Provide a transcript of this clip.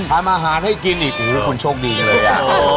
ทำอาหารให้กินอีกคุณโชคดีเลย